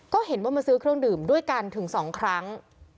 ก็เห็นว่ามาซื้อเครื่องดื่มด้วยกันถึง๒ครั้ง